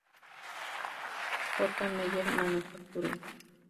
J. Meyer Manufacturing".